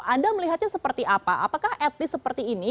anda melihatnya seperti apa apakah at least seperti ini